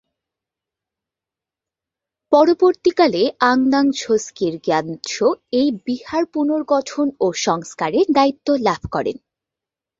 পরবর্তীকালে ঙ্গাগ-দ্বাং-ছোস-ক্যি-র্গ্যা-ম্ত্শো এই বিহার পুনর্গঠন ও সংস্কারের দায়িত্ব লাভ করেন।